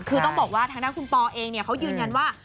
คือต้องบอกว่าทางด้านคุณปอเองเขายืนยันว่า